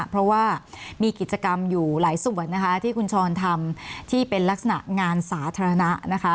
เพราะว่ามีกิจกรรมอยู่หลายส่วนนะคะที่คุณชรทำที่เป็นลักษณะงานสาธารณะนะคะ